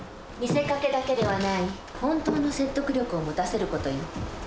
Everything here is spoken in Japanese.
見せかけだけではない本当の説得力を持たせる事よ。